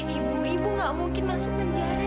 ibu ibu gak mungkin masuk penjara